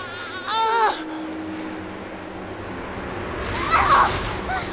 ああ！